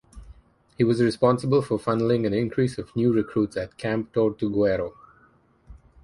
He was responsible for funneling an increase of new recruits at Camp Tortuguero.